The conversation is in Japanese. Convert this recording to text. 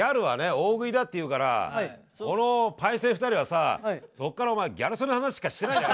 大食いだって言うからこのパイセン２人はさそっからお前ギャル曽根の話しかしてないんだよ。